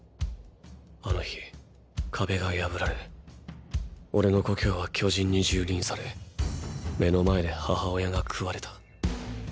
あの日壁が破られオレの故郷は巨人に蹂躙され目の前で母親が食われた。